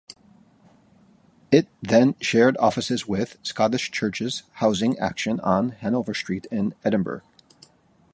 It then shared offices with Scottish Churches Housing Action on Hanover Street in Edinburgh.